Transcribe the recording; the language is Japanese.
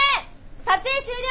撮影終了！